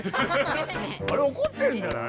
あれおこってんじゃない？